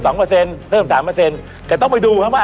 ๕เราเริ่มใหม่เลยดูว่า